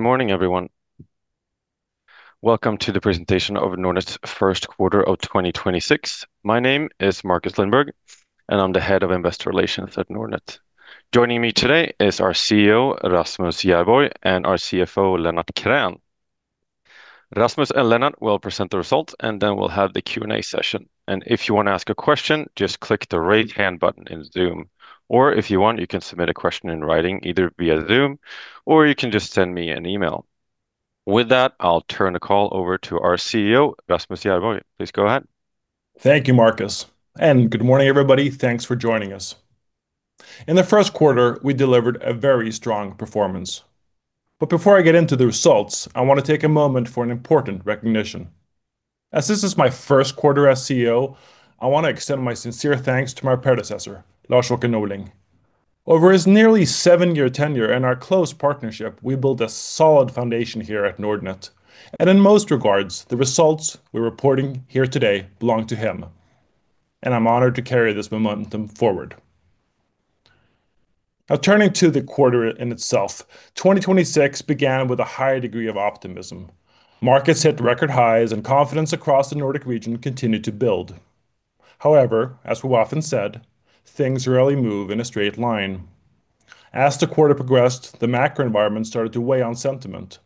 Good morning, everyone. Welcome to the presentation of Nordnet's first quarter of 2026. My name is Marcus Lindberg, and I'm the head of investor relations at Nordnet. Joining me today is our CEO, Rasmus Järborg, and our CFO, Lennart Krän. Rasmus and Lennart will present the results, and then we'll have the Q&A session. If you want to ask a question, just click the raise hand button in Zoom. Or if you want, you can submit a question in writing, either via Zoom, or you can just send me an email. With that, I'll turn the call over to our CEO, Rasmus Järborg. Please go ahead. Thank you, Marcus, and good morning, everybody. Thanks for joining us. In the first quarter, we delivered a very strong performance. Before I get into the results, I want to take a moment for an important recognition. As this is my first quarter as CEO, I want to extend my sincere thanks to my predecessor, Lars-Åke Norling. Over his nearly seven-year tenure and our close partnership, we built a solid foundation here at Nordnet, and in most regards, the results we're reporting here today belong to him, and I'm honored to carry this momentum forward. Now turning to the quarter in itself. 2026 began with a higher degree of optimism. Markets hit record highs and confidence across the Nordic region continued to build. However, as we've often said, things rarely move in a straight line. As the quarter progressed, the macro environment started to weigh on sentiment.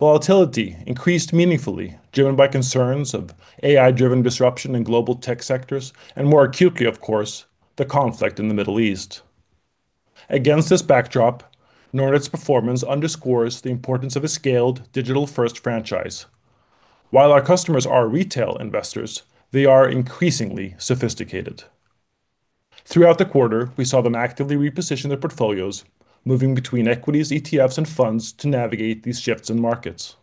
Volatility increased meaningfully, driven by concerns of AI-driven disruption in global tech sectors, and more acutely, of course, the conflict in the Middle East. Against this backdrop, Nordnet's performance underscores the importance of a scaled digital-first franchise. While our customers are retail investors, they are increasingly sophisticated. Throughout the quarter, we saw them actively reposition their portfolios, moving between equities, ETFs, and funds to navigate these shifts in markets.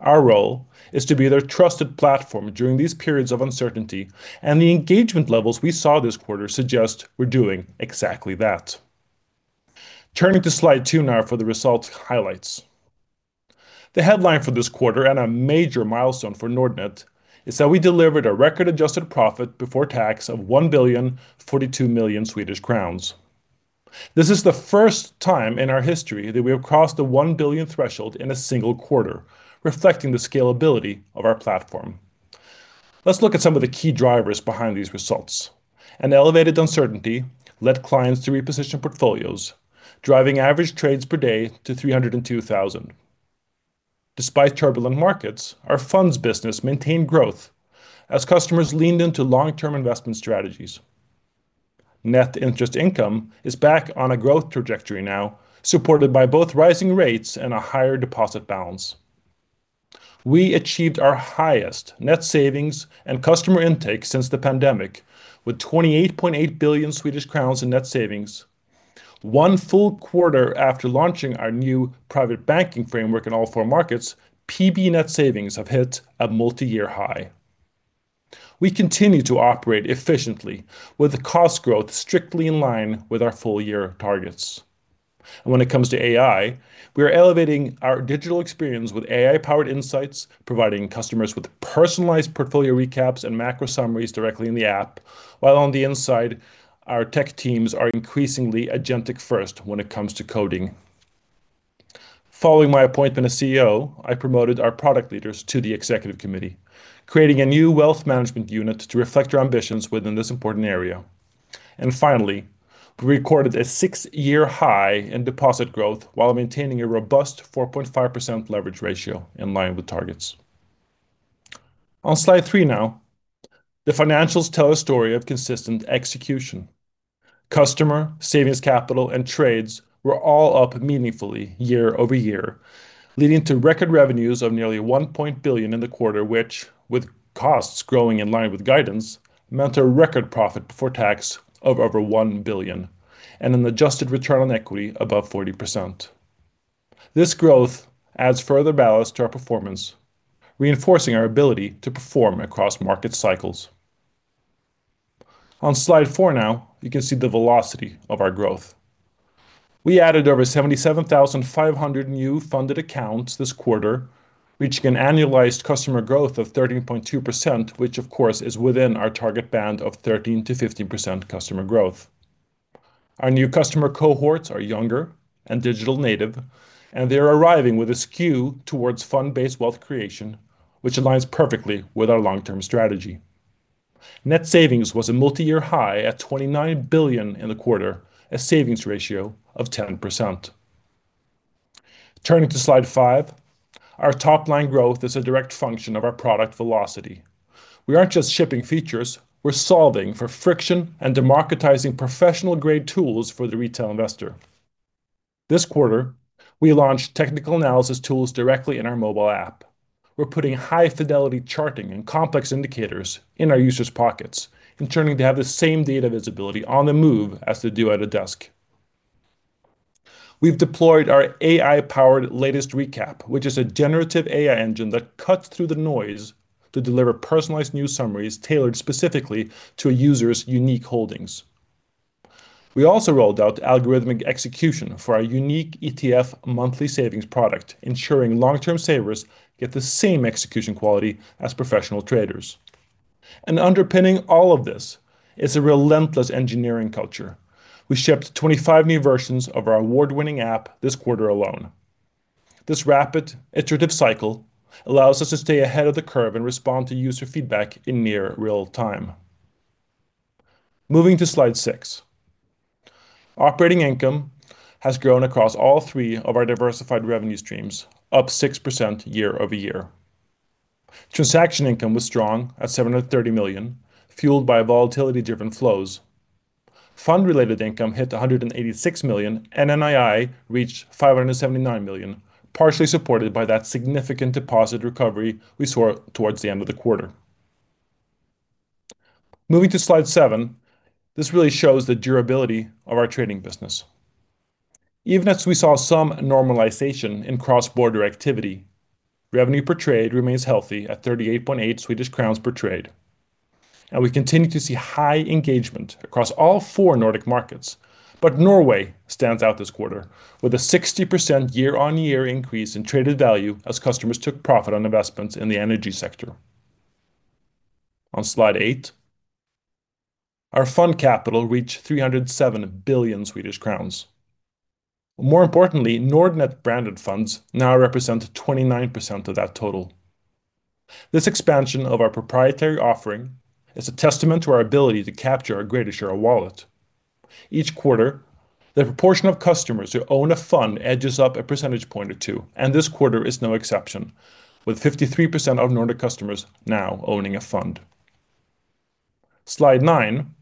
Our role is to be their trusted platform during these periods of uncertainty, and the engagement levels we saw this quarter suggest we're doing exactly that. Turning to Slide two now for the results highlights. The headline for this quarter and a major milestone for Nordnet is that we delivered a record-adjusted profit before tax of 1,042,000,000 Swedish crowns. This is the first time in our history that we have crossed the 1 billion threshold in a single quarter, reflecting the scalability of our platform. Let's look at some of the key drivers behind these results. An elevated uncertainty led clients to reposition portfolios, driving average trades per day to 302,000. Despite turbulent markets, our funds business maintained growth as customers leaned into long-term investment strategies. Net interest income is back on a growth trajectory now, supported by both rising rates and a higher deposit balance. We achieved our highest net savings and customer intake since the pandemic with 28.8 billion Swedish crowns in net savings. One full quarter after launching our new private banking framework in all four markets, PB net savings have hit a multiyear high. We continue to operate efficiently with cost growth strictly in line with our full-year targets. When it comes to AI, we are elevating our digital experience with AI-powered insights, providing customers with personalized portfolio recaps and macro summaries directly in the app, while on the inside, our tech teams are increasingly agentic-first when it comes to coding. Following my appointment as CEO, I promoted our product leaders to the executive committee, creating a new wealth management unit to reflect our ambitions within this important area. Finally, we recorded a six-year high in deposit growth while maintaining a robust 4.5% leverage ratio in line with targets. On Slide three now, the financials tell a story of consistent execution. Customers, savings capital, and trades were all up meaningfully year-over-year, leading to record revenues of nearly 1 billion in the quarter, which with costs growing in line with guidance, meant a record profit before tax of over 1 billion and an adjusted return on equity above 40%. This growth adds further ballast to our performance, reinforcing our ability to perform across market cycles. On Slide four now, you can see the velocity of our growth. We added over 77,500 new funded accounts this quarter, reaching an annualized customer growth of 13.2%, which, of course, is within our target band of 13%-15% customer growth. Our new customer cohorts are younger and digital native, and they're arriving with a skew towards fund-based wealth creation, which aligns perfectly with our long-term strategy. Net savings was a multi-year high at 29 billion in the quarter, a savings ratio of 10%. Turning to Slide five. Our top-line growth is a direct function of our product velocity. We aren't just shipping features, we're solving for friction and democratizing professional-grade tools for the retail investor. This quarter, we launched technical analysis tools directly in our mobile app. We're putting high-fidelity charting and complex indicators in our users' pockets and turning to have the same data visibility on the move as they do at a desk. We've deployed our AI-powered latest recap, which is a generative AI engine that cuts through the noise to deliver personalized news summaries tailored specifically to a user's unique holdings. We also rolled out algorithmic execution for our unique ETF monthly savings product, ensuring long-term savers get the same execution quality as professional traders. Underpinning all of this is a relentless engineering culture. We shipped 25 new versions of our award-winning app this quarter alone. This rapid iterative cycle allows us to stay ahead of the curve and respond to user feedback in near real-time. Moving to Slide six. Operating income has grown across all three of our diversified revenue streams, up 6% year-over-year. Transaction income was strong at 730 million, fueled by volatility-driven flows. Fund-related income hit 186 million, and NII reached 579 million, partially supported by that significant deposit recovery we saw towards the end of the quarter. Moving to Slide seven. This really shows the durability of our trading business. Even as we saw some normalization in cross-border activity, revenue per trade remains healthy at 38.8 Swedish crowns per trade. We continue to see high engagement across all four Nordic markets. Norway stands out this quarter with a 60% year-on-year increase in traded value as customers took profit on investments in the energy sector. On Slide eight, our fund capital reached 307 billion Swedish crowns. More importantly, Nordnet branded funds now represent 29% of that total. This expansion of our proprietary offering is a testament to our ability to capture a greater share of wallet. Each quarter, the proportion of customers who own a fund edges up a percentage point or two, and this quarter is no exception, with 53% of Nordnet customers now owning a fund. Slide nine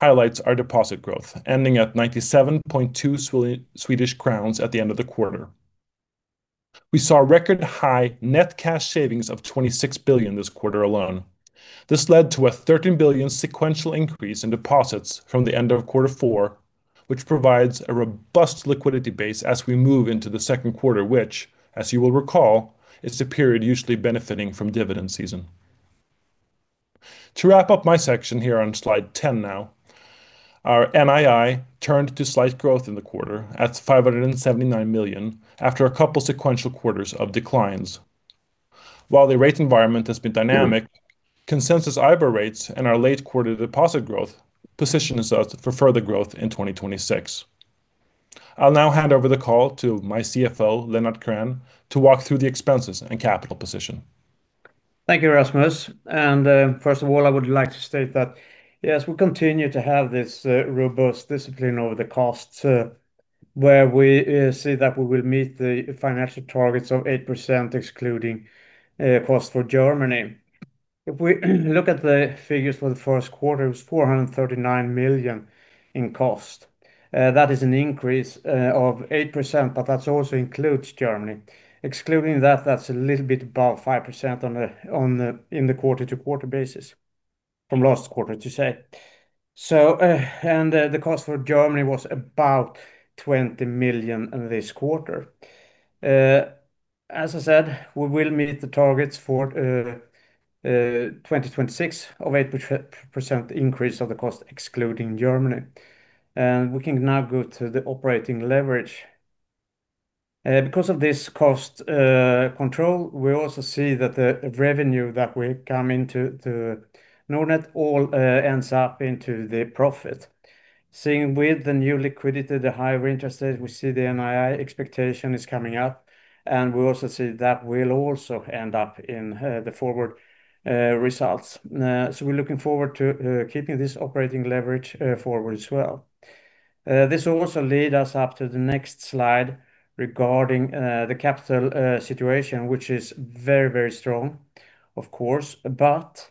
highlights our deposit growth, ending at 97.2 billion Swedish crowns at the end of the quarter. We saw record high net cash savings of 26 billion this quarter alone. This led to a 13 billion sequential increase in deposits from the end of quarter four, which provides a robust liquidity base as we move into the second quarter, which, as you will recall, is the period usually benefiting from dividend season. To wrap up my section here on Slide 10 now, our NII turned to slight growth in the quarter at 579 million after a couple sequential quarters of declines. While the rate environment has been dynamic, consensus IBOR rates and our late quarter deposit growth positions us for further growth in 2026. I'll now hand over the call to my CFO, Lennart Krän, to walk through the expenses and capital position. Thank you, Rasmus, and first of all, I would like to state that yes, we continue to have this robust discipline over the costs, where we see that we will meet the financial targets of 8%, excluding cost for Germany. If we look at the figures for the first quarter, it was 439 million in cost. That is an increase of 8%, but that also includes Germany. Excluding that's a little bit above 5% in the quarter-to-quarter basis from last quarter, to say. The cost for Germany was about 20 million this quarter. As I said, we will meet the targets for 2026 of 8% increase of the cost, excluding Germany. We can now go to the operating leverage. Because of this cost control, we also see that the revenue that will come into Nordnet all ends up into the profit. With the new liquidity, the higher interest rates, we see the NII expectation is coming up, and we also see that will also end up in the forward results. We're looking forward to keeping this operating leverage forward as well. This will also lead us up to the next slide regarding the capital situation, which is very strong, of course, but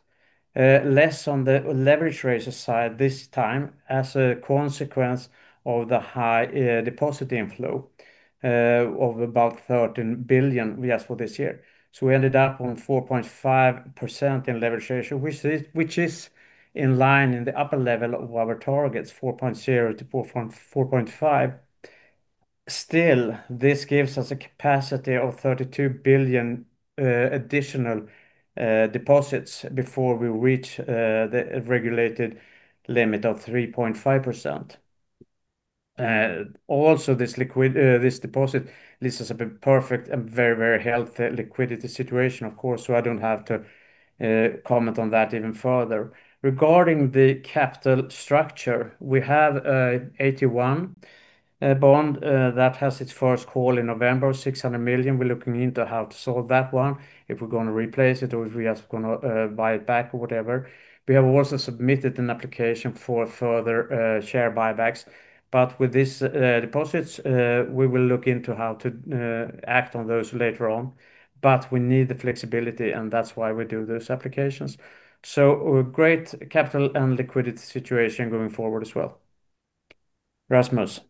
less on the leverage ratio side this time as a consequence of the high deposit inflow of about 13 billion we asked for this year. We ended up on 4.5% in leverage ratio, which is in line in the upper level of our targets, 4.0%-4.5%. Still, this gives us a capacity of 32 billion additional deposits before we reach the regulated limit of 3.5%. This deposit leaves us a perfect and very healthy liquidity situation, of course, so I don't have to comment on that even further. Regarding the capital structure, we have AT1 bond that has its first call in November, 600 million. We're looking into how to solve that one, if we're going to replace it or if we're just going to buy it back or whatever. We have also submitted an application for further share buybacks. With these deposits, we will look into how to act on those later on. We need the flexibility, and that's why we do those applications. A great capital and liquidity situation going forward as well. Rasmus.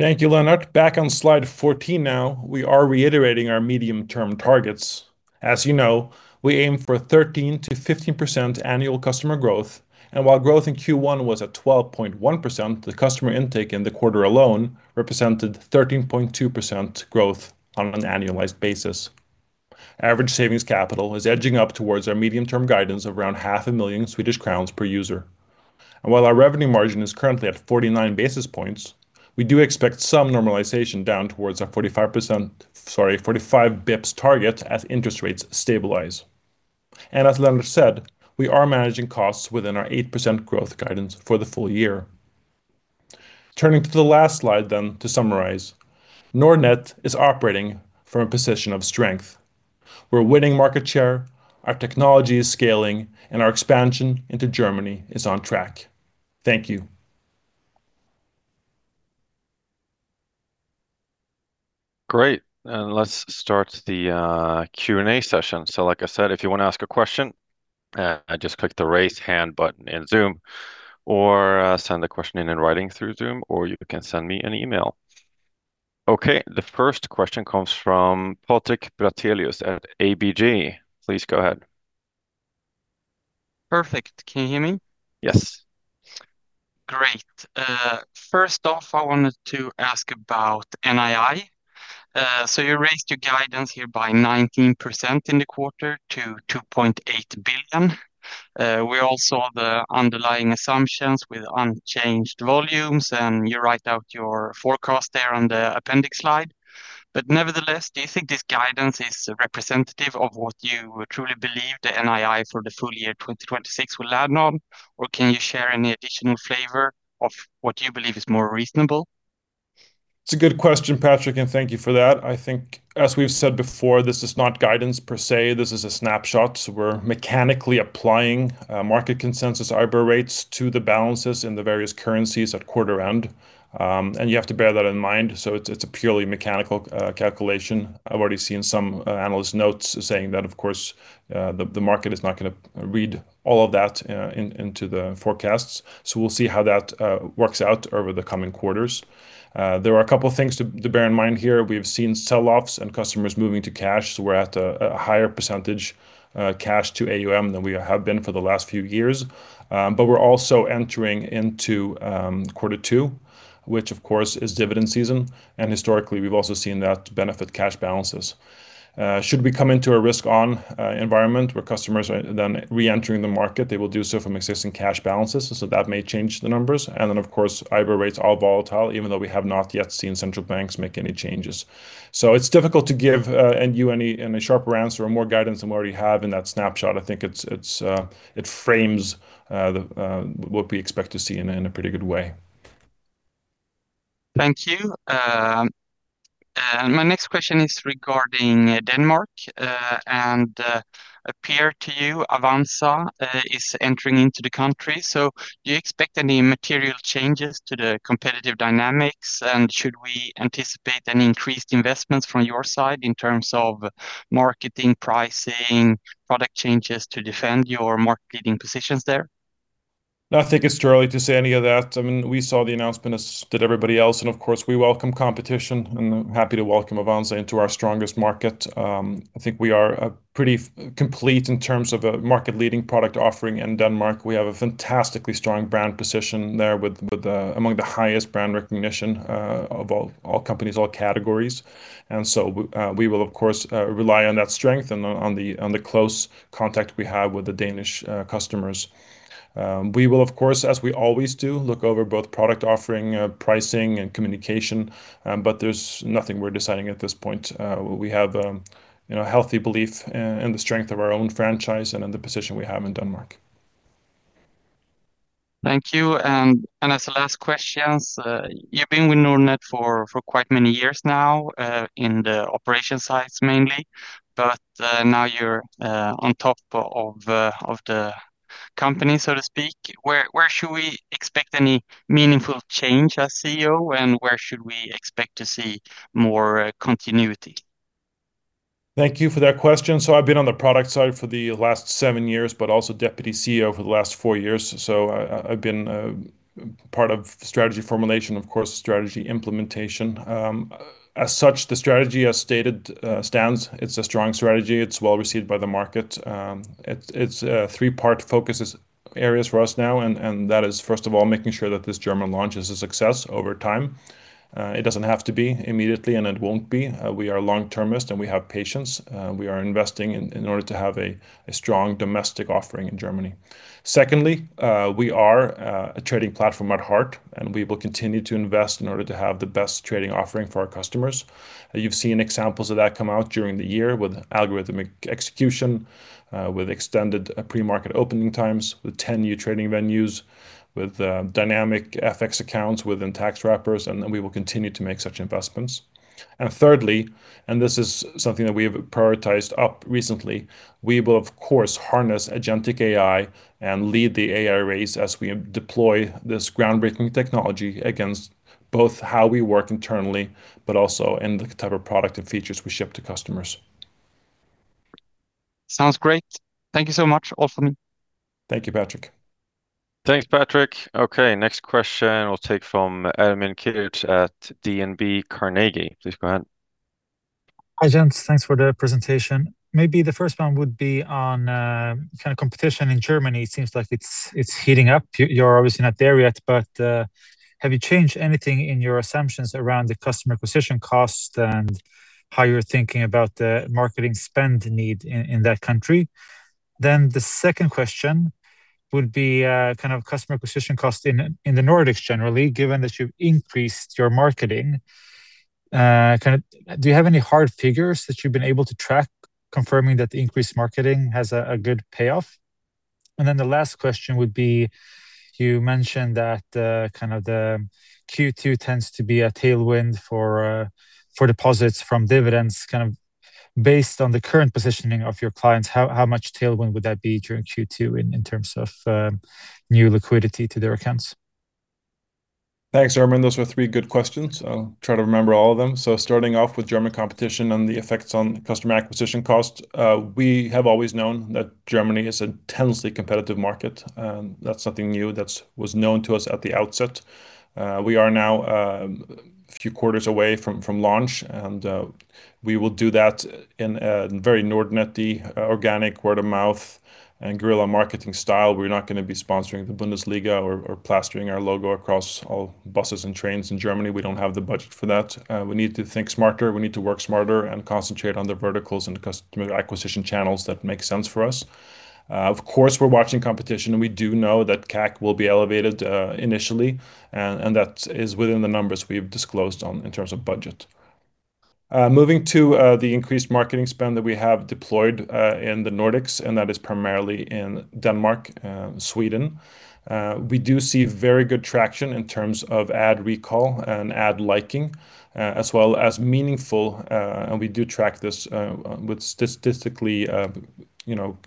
Thank you, Lennart. Back on Slide 14 now, we are reiterating our medium-term targets. As you know, we aim for 13%-15% annual customer growth, and while growth in Q1 was at 12.1%, the customer intake in the quarter alone represented 13.2% growth on an annualized basis. Average savings capital is edging up towards our medium-term guidance of around half a million Swedish crowns per user. While our revenue margin is currently at 49 basis points, we do expect some normalization down towards our 45 basis points targets as interest rates stabilize. As Lennart said, we are managing costs within our 8% growth guidance for the full year. Turning to the last slide then to summarize, Nordnet is operating from a position of strength. We're winning market share, our technology is scaling, and our expansion into Germany is on track. Thank you. Great. Let's start the Q&A session. Like I said, if you want to ask a question, just click the raise hand button in Zoom, or send the question in in writing through Zoom, or you can send me an email. Okay. The first question comes from Patrik Brattelius at ABG. Please go ahead. Perfect. Can you hear me? Yes. Great. First off, I wanted to ask about NII. You raised your guidance here by 19% in the quarter to 2.8 billion. We all saw the underlying assumptions with unchanged volumes, and you write out your forecast there on the appendix slide. Nevertheless, do you think this guidance is representative of what you truly believe the NII for the full year 2026 will add on? Can you share any additional flavor of what you believe is more reasonable? It's a good question, Patrik, and thank you for that. I think as we've said before, this is not guidance per se. This is a snapshot, so we're mechanically applying market consensus IBOR rates to the balances in the various currencies at quarter end. You have to bear that in mind. It's a purely mechanical calculation. I've already seen some analyst notes saying that, of course, the market is not going to read all of that into the forecasts. We'll see how that works out over the coming quarters. There are a couple of things to bear in mind here. We've seen sell-offs and customers moving to cash, so we're at a higher percentage cash to AUM than we have been for the last few years. We're also entering into quarter two, which of course is dividend season, and historically, we've also seen that benefit cash balances. Should we come into a risk on environment where customers are then re-entering the market, they will do so from existing cash balances, so that may change the numbers. Then, of course, IBOR rates are volatile, even though we have not yet seen central banks make any changes. It's difficult to give you any sharper answer or more guidance than we already have in that snapshot. I think it frames what we expect to see in a pretty good way. Thank you. My next question is regarding Denmark, and a peer to you, Avanza is entering into the country. Do you expect any material changes to the competitive dynamics? Should we anticipate any increased investments from your side in terms of marketing, pricing, product changes to defend your market-leading positions there? I think it's too early to say any of that. We saw the announcement as did everybody else, and of course, we welcome competition and happy to welcome Avanza into our strongest market. I think we are pretty complete in terms of a market-leading product offering in Denmark. We have a fantastically strong brand position there with among the highest brand recognition of all companies, all categories. We will, of course, rely on that strength and on the close contact we have with the Danish customers. We will, of course, as we always do, look over both product offering, pricing, and communication, but there's nothing we're deciding at this point. We have a healthy belief in the strength of our own franchise and in the position we have in Denmark. Thank you. As the last questions, you've been with Nordnet for quite many years now in the operation sides mainly. But now you're on top of the company, so to speak. Where should we expect any meaningful change as CEO, and where should we expect to see more continuity? Thank you for that question. I've been on the product side for the last seven years, but also deputy CEO for the last four years. I've been part of strategy formulation, of course, strategy implementation. As such, the strategy as stated stands. It's a strong strategy. It's well-received by the market. It's three-part focus areas for us now, and that is, first of all, making sure that this German launch is a success over time. It doesn't have to be immediately, and it won't be. We are long-termist, and we have patience. We are investing in order to have a strong domestic offering in Germany. Secondly, we are a trading platform at heart, and we will continue to invest in order to have the best trading offering for our customers. You've seen examples of that come out during the year with algorithmic execution, with extended pre-market opening times, with 10 new trading venues, with dynamic FX accounts within tax wrappers, and we will continue to make such investments. Thirdly, and this is something that we have prioritized up recently, we will of course harness agentic AI and lead the AI race as we deploy this groundbreaking technology against both how we work internally, but also in the type of product and features we ship to customers. Sounds great. Thank you so much. All from me. Thank you, Patrik. Thanks, Patrik. Okay, next question we'll take from Ermin Keric at DNB Carnegie. Please go ahead. Hi, gents. Thanks for the presentation. Maybe the first one would be on competition in Germany. It seems like it's heating up. You're obviously not there yet, but have you changed anything in your assumptions around the customer acquisition cost and how you're thinking about the marketing spend need in that country? The second question would be kind of customer acquisition cost in the Nordics generally, given that you've increased your marketing. Do you have any hard figures that you've been able to track confirming that the increased marketing has a good payoff? The last question would be, you mentioned that the Q2 tends to be a tailwind for deposits from dividends. Based on the current positioning of your clients, how much tailwind would that be during Q2 in terms of new liquidity to their accounts? Thanks, Ermin. Those were three good questions. I'll try to remember all of them. Starting off with German competition and the effects on customer acquisition cost. We have always known that Germany is an intensely competitive market. That's nothing new. That was known to us at the outset. We are now a few quarters away from launch, and we will do that in a very Nordnet-y, organic, word-of-mouth, and guerrilla marketing style. We're not going to be sponsoring the Bundesliga or plastering our logo across all buses and trains in Germany. We don't have the budget for that. We need to think smarter, we need to work smarter, and concentrate on the verticals and the customer acquisition channels that make sense for us. Of course, we're watching competition, and we do know that CAC will be elevated initially, and that is within the numbers we've disclosed on in terms of budget. Moving to the increased marketing spend that we have deployed in the Nordics, and that is primarily in Denmark and Sweden. We do see very good traction in terms of ad recall and ad liking, as well as meaningful, and we do track this with statistically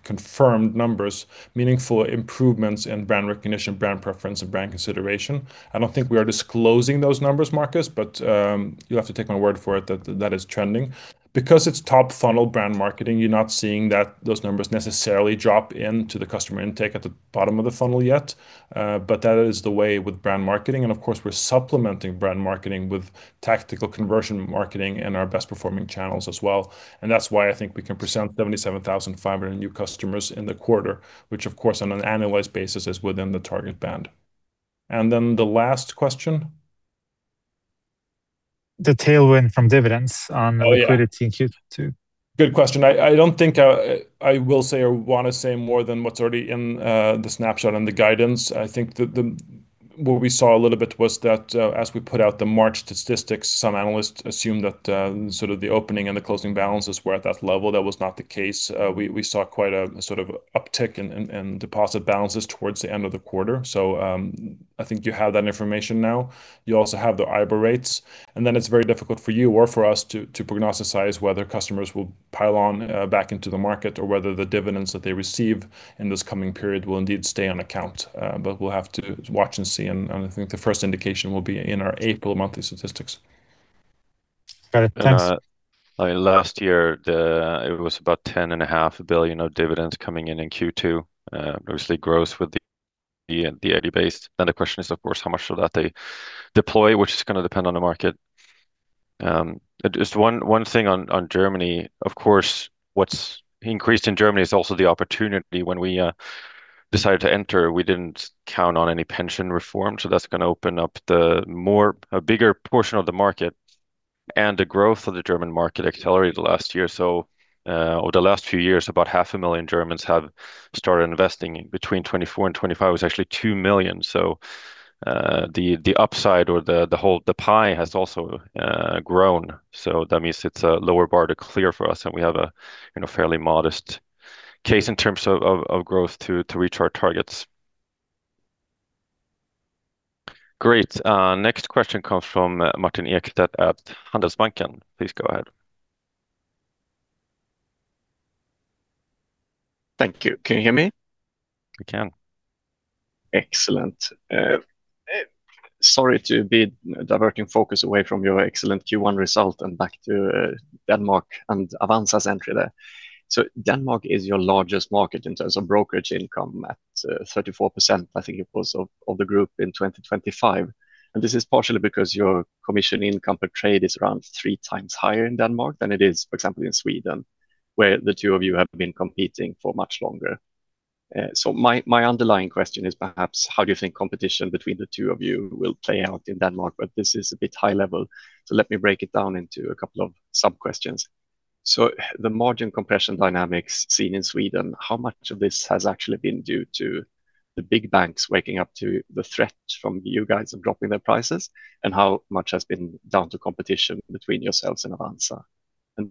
confirmed numbers, meaningful improvements in brand recognition, brand preference, and brand consideration. I don't think we are disclosing those numbers, Marcus, but you'll have to take my word for it that that is trending. Because it's top funnel brand marketing, you're not seeing those numbers necessarily drop into the customer intake at the bottom of the funnel yet. That is the way with brand marketing, and of course, we're supplementing brand marketing with tactical conversion marketing in our best performing channels as well. That's why I think we can present 77,500 new customers in the quarter, which of course on an annualized basis is within the target band. Then the last question. The tailwind from dividends on- Oh, yeah. liquidity in Q2. Good question. I don't think I will say or want to say more than what's already in the snapshot and the guidance. I think what we saw a little bit was that as we put out the March statistics, some analysts assumed that sort of the opening and the closing balances were at that level. That was not the case. We saw quite a sort of uptick in deposit balances towards the end of the quarter. I think you have that information now. You also have the IBOR rates. Then it's very difficult for you or for us to prognosticate whether customers will pile on back into the market or whether the dividends that they receive in this coming period will indeed stay on account. We'll have to watch and see, and I think the first indication will be in our April monthly statistics. Got it. Thanks. Last year, it was about 10.5 billion of dividends coming in in Q2, obviously gross with the yearly base. The question is, of course, how much of that they deploy, which is going to depend on the market. Just one thing on Germany, of course, what's increased in Germany is also the opportunity. When we decided to enter, we didn't count on any pension reform. That's going to open up a bigger portion of the market and the growth of the German market accelerated last year or the last few years. About half a million Germans have started investing. Between 2024 and 2025, it's actually 2 million. The upside or the whole pie has also grown. That means it's a lower bar to clear for us, and we have a fairly modest case in terms of growth to reach our targets. Great. Next question comes from Martin Ekstedt at Handelsbanken. Please go ahead. Thank you. Can you hear me? We can. Excellent. Sorry to be diverting focus away from your excellent Q1 result and back to Denmark and Avanza's entry there. Denmark is your largest market in terms of brokerage income at 34%, I think it was, of the group in 2025. This is partially because your commission income per trade is around 3x higher in Denmark than it is, for example, in Sweden, where the two of you have been competing for much longer. My underlying question is perhaps how do you think competition between the two of you will play out in Denmark? This is a bit high level, so let me break it down into a couple of sub-questions. The margin compression dynamics seen in Sweden, how much of this has actually been due to the big banks waking up to the threat from you guys and dropping their prices? How much has been down to competition between yourselves and Avanza?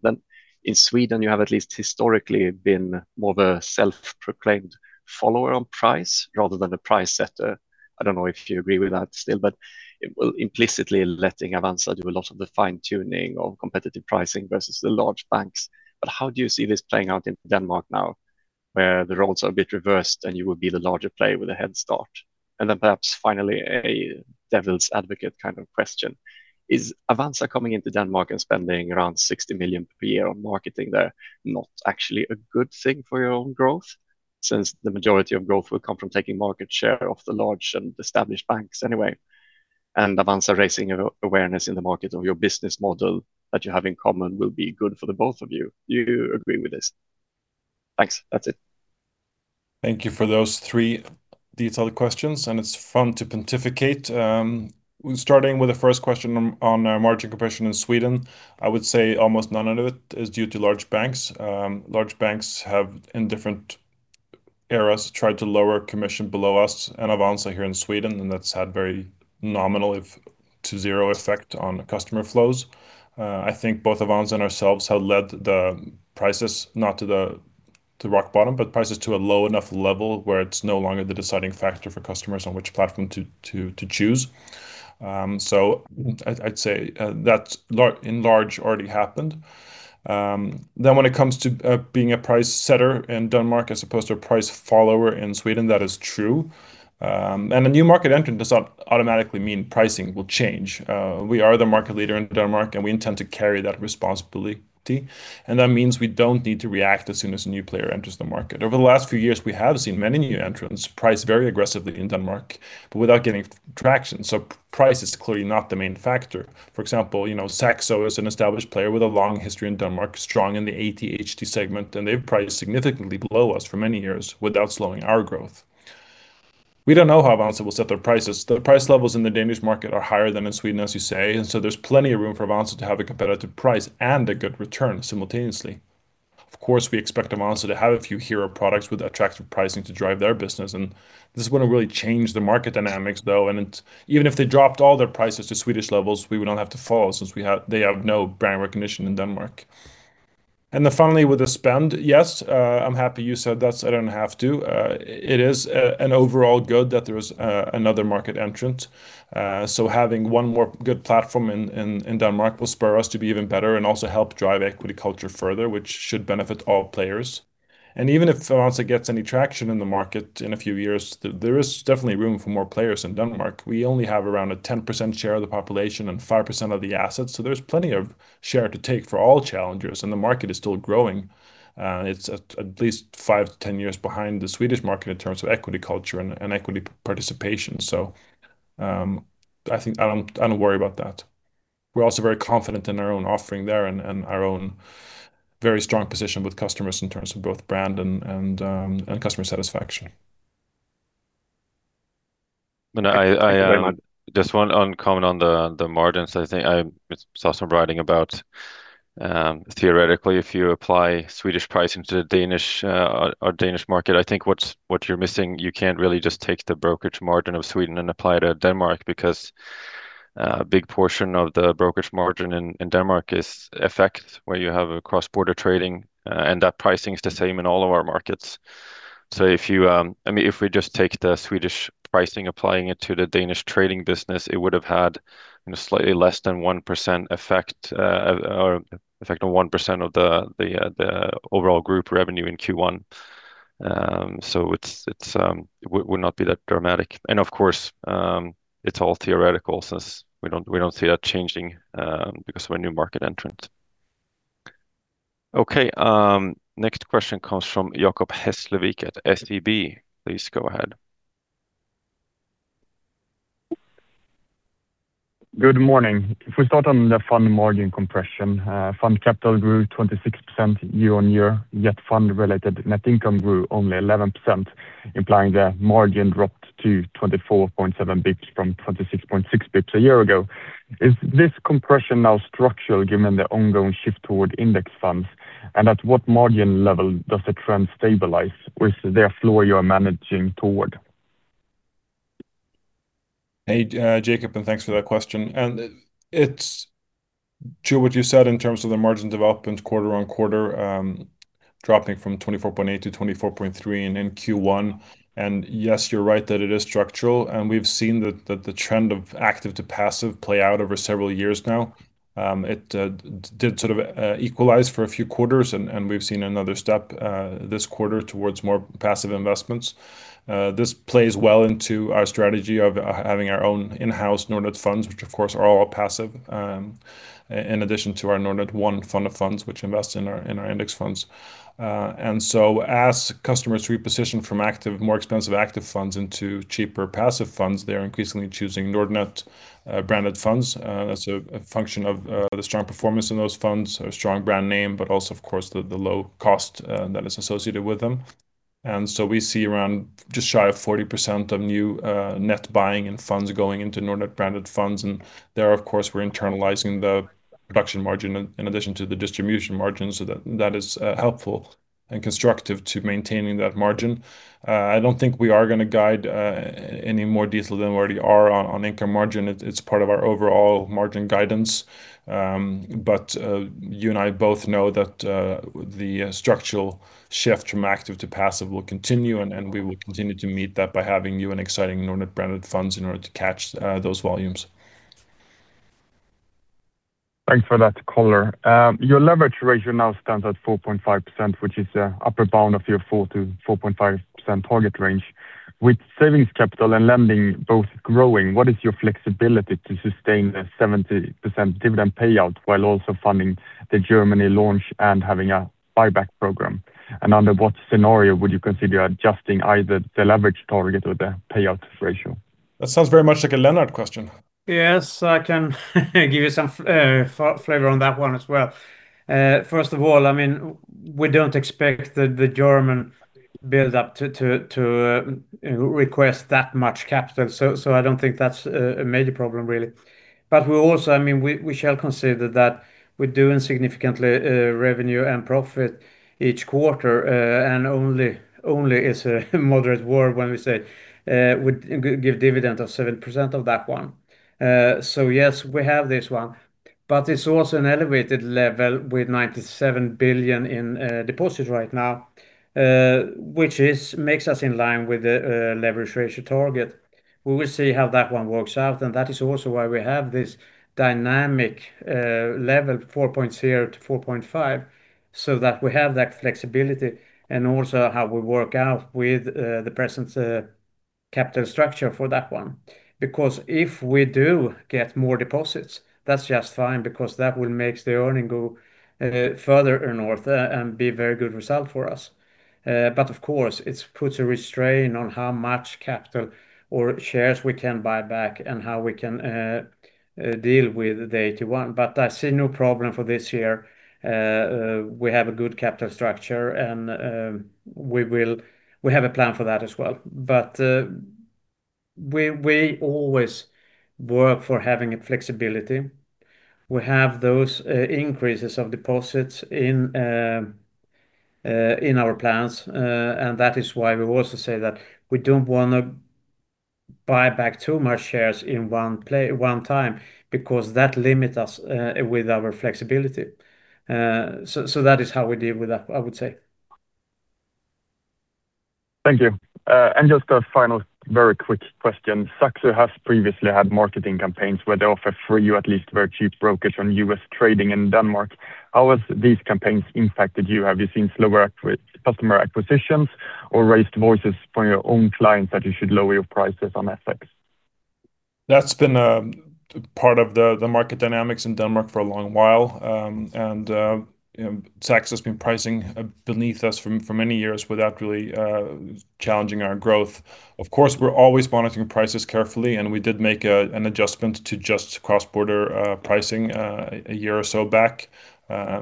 Then in Sweden, you have at least historically been more of a self-proclaimed follower on price rather than a price setter. I don't know if you agree with that still, but implicitly letting Avanza do a lot of the fine-tuning of competitive pricing versus the large banks. How do you see this playing out in Denmark now, where the roles are a bit reversed, and you would be the larger player with a head start? Perhaps finally, a devil's advocate kind of question. Is Avanza coming into Denmark and spending around 60 million per year on marketing there not actually a good thing for your own growth, since the majority of growth will come from taking market share of the large and established banks anyway? Avanza raising awareness in the market of your business model that you have in common will be good for the both of you. Do you agree with this? Thanks. That's it. Thank you for those three detailed questions, and it's fun to pontificate. Starting with the first question on margin compression in Sweden, I would say almost none of it is due to large banks. Large banks have, in different eras, tried to lower commission below us and Avanza here in Sweden, and that's had very nominal to zero effect on customer flows. I think both Avanza and ourselves have led the prices not to the rock bottom, but prices to a low enough level where it's no longer the deciding factor for customers on which platform to choose. So I'd say that's in large part already happened. Then when it comes to being a price setter in Denmark as opposed to a price follower in Sweden, that is true. A new market entrant does not automatically mean pricing will change. We are the market leader in Denmark, and we intend to carry that responsibility, and that means we don't need to react as soon as a new player enters the market. Over the last few years, we have seen many new entrants priced very aggressively in Denmark, but without getting traction. Price is clearly not the main factor. For example, Saxo is an established player with a long history in Denmark, strong in the ATHD segment, and they've priced significantly below us for many years without slowing our growth. We don't know how Avanza will set their prices. The price levels in the Danish market are higher than in Sweden, as you say, and so there's plenty of room for Avanza to have a competitive price and a good return simultaneously. Of course, we expect Avanza to have a few hero products with attractive pricing to drive their business, and this is going to really change the market dynamics, though, and even if they dropped all their prices to Swedish levels, we would not have to follow since they have no brand recognition in Denmark. Finally with the spend, yes. I'm happy you said that so I don't have to. It is an overall good that there is another market entrant. Having one more good platform in Denmark will spur us to be even better and also help drive equity culture further, which should benefit all players. Even if Avanza gets any traction in the market in a few years, there is definitely room for more players in Denmark. We only have around a 10% share of the population and 5% of the assets, so there's plenty of share to take for all challengers, and the market is still growing. It's at least five, 10 years behind the Swedish market in terms of equity culture and equity participation, so I don't worry about that. We're also very confident in our own offering there and our own very strong position with customers in terms of both brand and customer satisfaction. Just one comment on the margins. I saw some writing about theoretically, if you apply Swedish pricing to the Danish market. I think what you're missing, you can't really just take the brokerage margin of Sweden and apply it to Denmark because a big portion of the brokerage margin in Denmark is effect where you have a cross-border trading and that pricing is the same in all of our markets. If we just take the Swedish pricing, applying it to the Danish trading business, it would have had a slightly less than 1% effect on 1% of the overall group revenue in Q1. So it would not be that dramatic. Of course, it's all theoretical since we don't see that changing because of a new market entrant. Okay, next question comes from Jakob Hesslevik at SEB. Please go ahead. Good morning. If we start on the fund margin compression, fund capital grew 26% year-on-year, yet fund-related net income grew only 11%, implying the margin dropped to 24.7 basis points from 26.6 basis points a year ago. Is this compression now structural given the ongoing shift toward index funds? And at what margin level does the trend stabilize? Or is there a floor you are managing toward? Hey, Jakob, and thanks for that question. It's true what you said in terms of the margin development quarter-on-quarter, dropping from 24.8%-24.3% in Q1, and yes, you're right that it is structural, and we've seen the trend of active to passive play out over several years now. It did sort of equalize for a few quarters, and we've seen another step this quarter towards more passive investments. This plays well into our strategy of having our own in-house Nordnet funds, which of course are all passive, in addition to our Nordnet One fund of funds which invest in our index funds. As customers reposition from more expensive active funds into cheaper passive funds, they're increasingly choosing Nordnet-branded funds as a function of the strong performance in those funds, a strong brand name, but also of course the low cost that is associated with them. We see around just shy of 40% of new net buying in funds going into Nordnet-branded funds, and there, of course, we're internalizing the production margin in addition to the distribution margin so that is helpful and constructive to maintaining that margin. I don't think we are going to guide any more detail than we already are on income margin. It's part of our overall margin guidance. You and I both know that the structural shift from active to passive will continue, and we will continue to meet that by having new and exciting Nordnet-branded funds in order to catch those volumes. Thanks for that color. Your leverage ratio now stands at 4.5%, which is the upper bound of your 4%-4.5% target range. With savings capital and lending both growing, what is your flexibility to sustain the 70% dividend payout while also funding the Germany launch and having a buyback program? And under what scenario would you consider adjusting either the leverage target or the payout ratio? That sounds very much like a Lennart question. Yes, I can give you some flavor on that one as well. First of all, we don't expect the German build up to request that much capital, so I don't think that's a major problem really. We also shall consider that we're doing significant revenue and profit each quarter, and only is a moderate word when we say we give dividend of 7% of that one. Yes, we have this one, but it's also an elevated level with 97 billion in deposits right now, which makes us in line with the leverage ratio target. We will see how that one works out, and that is also why we have this dynamic level 4.0-4.5, so that we have that flexibility and also how we work out with the present capital structure for that one. If we do get more deposits, that's just fine because that will make the earnings go further north and be a very good result for us. Of course, it puts a restraint on how much capital or shares we can buy back and how we can deal with the AT1. I see no problem for this year. We have a good capital structure and we have a plan for that as well. We always work for having flexibility. We have those increases of deposits in our plans. That is why we also say that we don't want to buy back too much shares at one time because that limits us with our flexibility. That is how we deal with that, I would say. Thank you. Just a final very quick question. Saxo has previously had marketing campaigns where they offer free or at least very cheap brokerage on U.S. trading in Denmark. How has these campaigns impacted you? Have you seen slower customer acquisitions or raised voices from your own clients that you should lower your prices on FX? That's been a part of the market dynamics in Denmark for a long while. Saxo's been pricing beneath us for many years without really challenging our growth. Of course, we're always monitoring prices carefully, and we did make an adjustment to just cross-border pricing a year or so back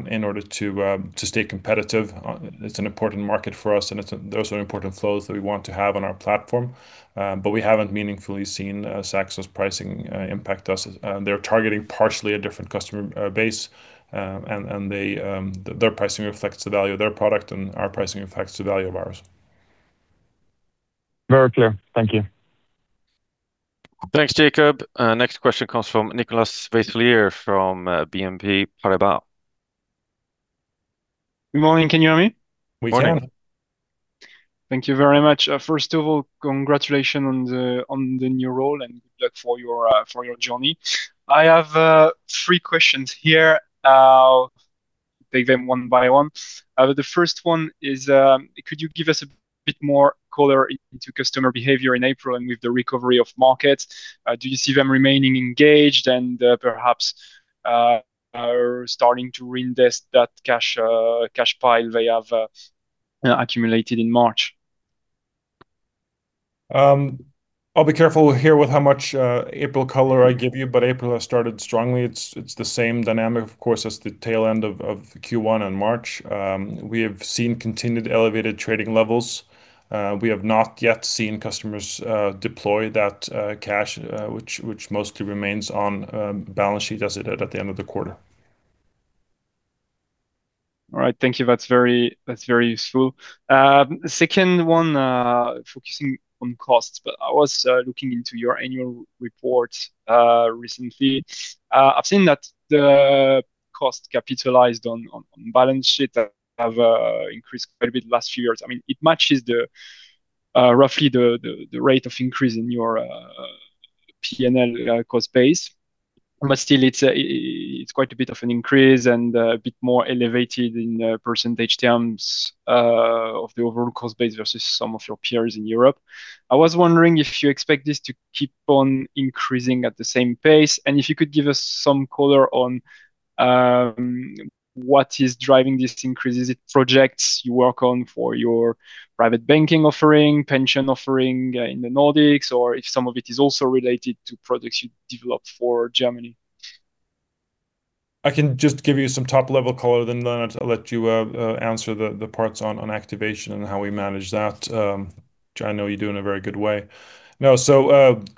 in order to stay competitive. It's an important market for us, and those are important flows that we want to have on our platform. We haven't meaningfully seen Saxo's pricing impact us. They're targeting partially a different customer base, and their pricing reflects the value of their product, and our pricing reflects the value of ours. Very clear. Thank you. Thanks, Jakob. Next question comes from Nicolas Vaysselier from BNP Paribas. Good morning. Can you hear me? We can. Thank you very much. First of all, congratulations on the new role and good luck for your journey. I have three questions here. I'll take them one by one. The first one is could you give us a bit more color into customer behavior in April and with the recovery of markets? Do you see them remaining engaged and perhaps are starting to reinvest that cash pile they have accumulated in March? I'll be careful here with how much April color I give you, but April has started strongly. It's the same dynamic, of course, as the tail end of Q1 and March. We have seen continued elevated trading levels. We have not yet seen customers deploy that cash which mostly remains on balance sheet as it did at the end of the quarter. All right. Thank you. That's very useful. Second one, focusing on costs, but I was looking into your annual report recently. I've seen that the cost capitalized on balance sheet have increased quite a bit last few years. It matches roughly the rate of increase in your P&L cost base. Still, it's quite a bit of an increase and a bit more elevated in percentage terms of the overall cost base versus some of your peers in Europe. I was wondering if you expect this to keep on increasing at the same pace, and if you could give us some color on what is driving these increases. Is it projects you work on for your Private Banking offering, pension offering in the Nordics, or if some of it is also related to products you developed for Germany? I can just give you some top-level color, then Lennart, I'll let you answer the parts on activation and how we manage that, which I know you do in a very good way. No,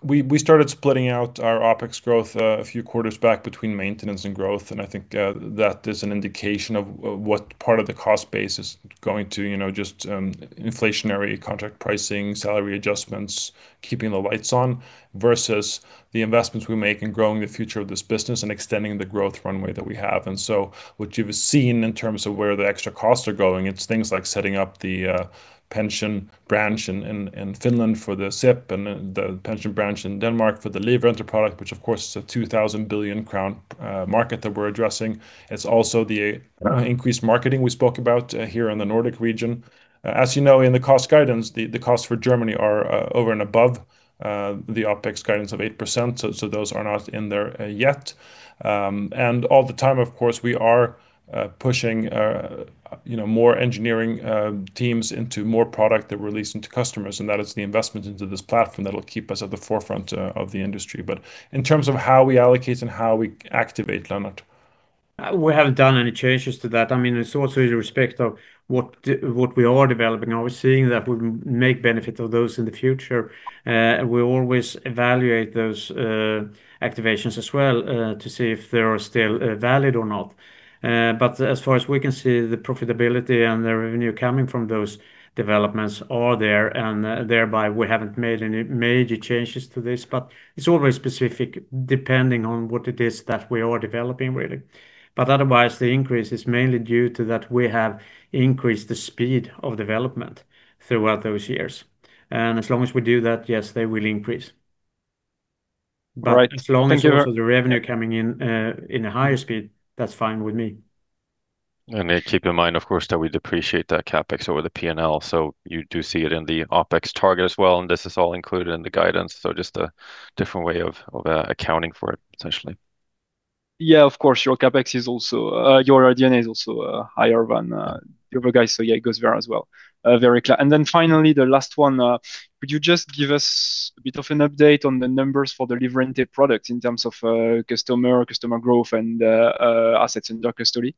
we started splitting out our OpEx growth a few quarters back between maintenance and growth, and I think that is an indication of what part of the cost base is going to just inflationary contract pricing, salary adjustments, keeping the lights on, versus the investments we make in growing the future of this business and extending the growth runway that we have. What you've seen in terms of where the extra costs are going, it's things like setting up the pension branch in Finland for the SIPP and the pension branch in Denmark for the livrente, which of course is a 2,000 billion crown market that we're addressing. It's also the increased marketing we spoke about here in the Nordic region. As you know, in the cost guidance, the costs for Germany are over and above the OpEx guidance of 8%, so those are not in there yet. All the time, of course, we are pushing more engineering teams into more product that we release into customers, and that is the investment into this platform that'll keep us at the forefront of the industry. In terms of how we allocate and how we activate, Lennart? We haven't done any changes to that. It's also in respect of what we are developing now. We're seeing that we make benefit of those in the future. We always evaluate those activations as well to see if they are still valid or not. As far as we can see, the profitability and the revenue coming from those developments are there, and thereby we haven't made any major changes to this. It's always specific depending on what it is that we are developing, really. Otherwise, the increase is mainly due to that we have increased the speed of development throughout those years. As long as we do that, yes, they will increase. All right. Thank you very much. As long as also the revenue coming in in a higher speed, that's fine with me. Keep in mind, of course, that we depreciate that CapEx over the P&L, so you do see it in the OpEx target as well, and this is all included in the guidance. Just a different way of accounting for it, essentially. Yeah, of course. Your D&A is also higher than the other guys. Yeah, it goes there as well. Very clear. Finally, the last one. Could you just give us a bit of an update on the numbers for the livrente product in terms of customer growth and assets under custody?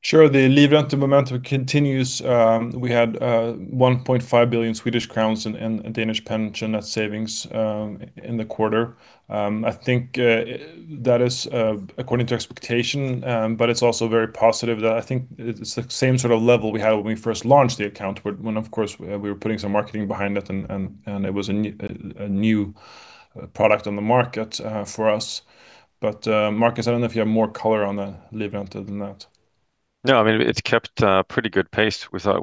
Sure. The livrente momentum continues. We had 1.5 billion Swedish crowns in Danish pension net savings in the quarter. I think that is according to expectation, but it's also very positive that I think it's the same sort of level we had when we first launched the account when, of course, we were putting some marketing behind it and it was a new product on the market for us. But Marcus, I don't know if you have more color on the livrente than that. No, it's kept a pretty good pace. We had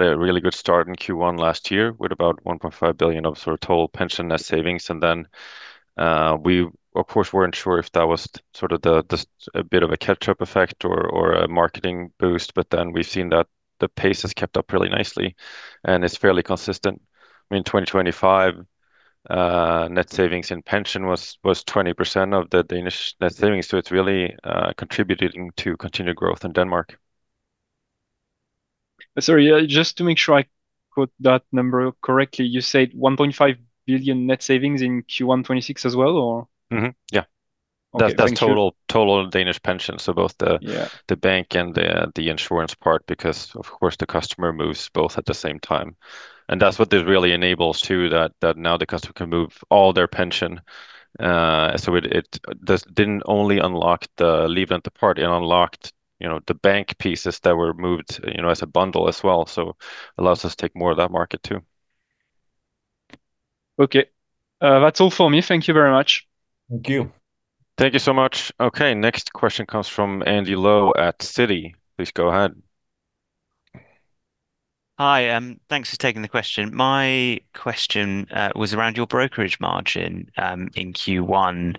a really good start in Q1 last year with about 1.5 billion of total pension net savings, and then we, of course, weren't sure if that was a bit of a catch-up effect or a marketing boost. We've seen that the pace has kept up really nicely, and it's fairly consistent. In 2025, net savings in pension was 20% of the Danish net savings. It's really contributing to continued growth in Denmark. Sorry, just to make sure I quote that number correctly, you said 1.5 billion net savings in Q1 2026 as well, or? Mm-hmm. Yeah. Okay. Thank you. That's total Danish pensions, so both. Yeah the bank and the insurance part because, of course, the customer moves both at the same time. That's what this really enables too, that now the customer can move all their pension. It didn't only unlock the livrente part, it unlocked the bank pieces that were moved as a bundle as well. Allows us to take more of that market too. Okay. That's all for me. Thank you very much. Thank you. Thank you so much. Okay, next question comes from Andy Lowe at Citi. Please go ahead. Hi, thanks for taking the question. My question was around your brokerage margin in Q1.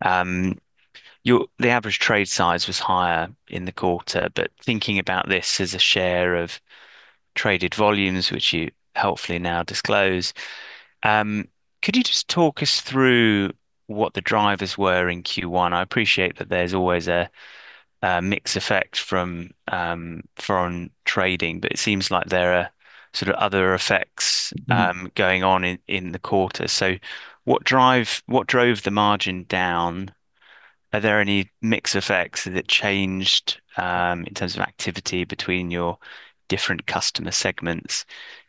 The average trade size was higher in the quarter, but thinking about this as a share of traded volumes, which you helpfully now disclose, could you just talk us through what the drivers were in Q1? I appreciate that there's always a mix effect from foreign trading, but it seems like there are other effects going on in the quarter. What drove the margin down? Are there any mix effects? Has it changed in terms of activity between your different customer segments?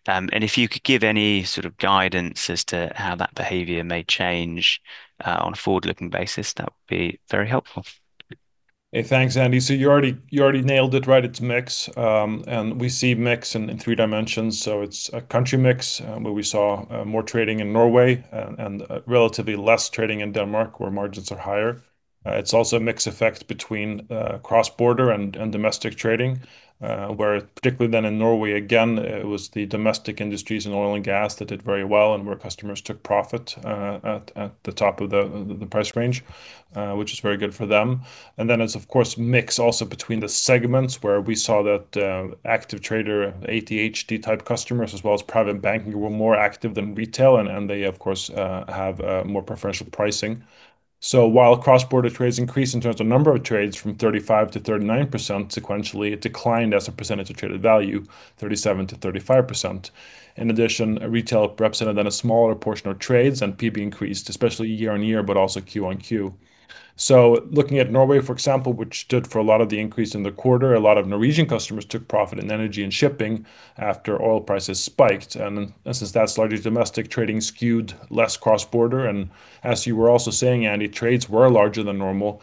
If you could give any sort of guidance as to how that behavior may change on a forward-looking basis, that would be very helpful. Hey, thanks, Andy. You already nailed it right at mix. We see mix in three dimensions. It's a country mix, where we saw more trading in Norway and relatively less trading in Denmark, where margins are higher. It's also a mix effect between cross-border and domestic trading, where particularly then in Norway, again, it was the domestic industries in oil and gas that did very well and where customers took profit at the top of the price range, which is very good for them. It's of course mix also between the segments where we saw that Active Trader, ADHD type customers as well as Private Banking were more active than Retail and they, of course, have more preferential pricing. While cross-border trades increased in terms of number of trades from 35%-39% sequentially, it declined as a percentage of traded value, 37%-35%. In addition, retail represented then a smaller portion of trades, and PB increased especially year-on-year, but also Q-on-Q. Looking at Norway, for example, which stood for a lot of the increase in the quarter, a lot of Norwegian customers took profit in energy and shipping after oil prices spiked. Since that's largely domestic trading skewed less cross-border. As you were also saying, Andy, trades were larger than normal.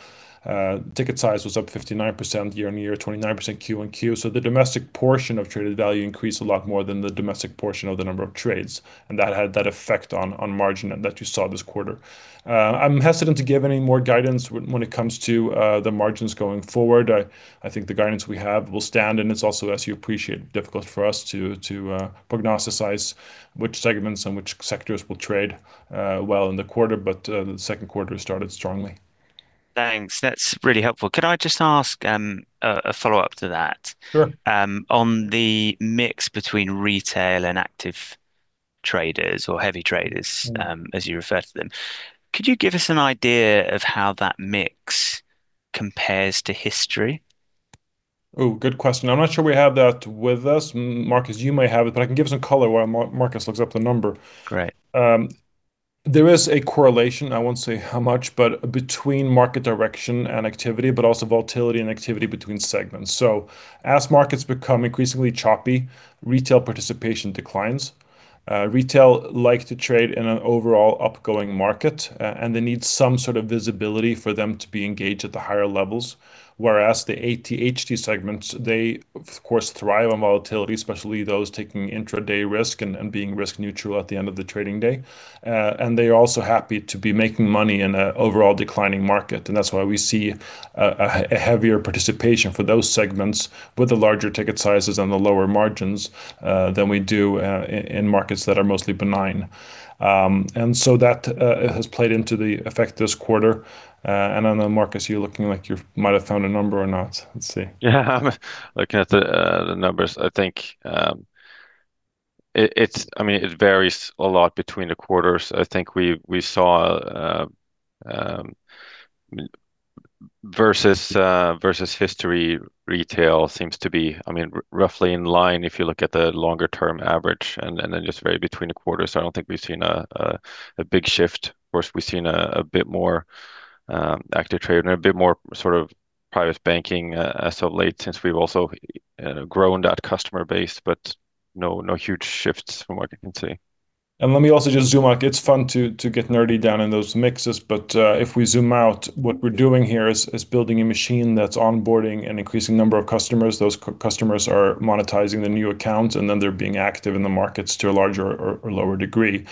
Ticket size was up 59% year-on-year, 29% Q-on-Q. The domestic portion of traded value increased a lot more than the domestic portion of the number of trades. That had that effect on margin that you saw this quarter. I'm hesitant to give any more guidance when it comes to the margins going forward. I think the guidance we have will stand, and it's also, as you appreciate, difficult for us to prognosticate which segments and which sectors will trade well in the quarter. The second quarter started strongly. Thanks. That's really helpful. Could I just ask a follow-up to that? Sure. On the mix between retail and active traders or heavy traders as you refer to them, could you give us an idea of how that mix compares to history? Oh, good question. I'm not sure we have that with us. Marcus, you may have it, but I can give some color while Marcus looks up the number. Right. There is a correlation, I won't say how much, but between market direction and activity, but also volatility and activity between segments. As markets become increasingly choppy, retail participation declines. Retail likes to trade in an overall upgoing market, and they need some sort of visibility for them to be engaged at the higher levels. Whereas the ATHD segments, they of course thrive on volatility, especially those taking intraday risk and being risk neutral at the end of the trading day. They're also happy to be making money in an overall declining market, and that's why we see a heavier participation for those segments with the larger ticket sizes and the lower margins than we do in markets that are mostly benign. That has played into the effect this quarter. I don't know, Marcus, you're looking like you might have found a number or not. Let's see. Yeah. I'm looking at the numbers. It varies a lot between the quarters. I think we saw versus history retail seems to be roughly in line if you look at the longer-term average, and then just vary between the quarters. I don't think we've seen a big shift. Of course, we've seen a bit more active trading, a bit more Private Banking as of late, since we've also grown that customer base, but no huge shifts from what I can see. Let me also just zoom out. It's fun to get nerdy down in those mixes, but if we zoom out, what we're doing here is building a machine that's onboarding an increasing number of customers. Those customers are monetizing the new accounts, and then they're being active in the markets to a larger or lower degree.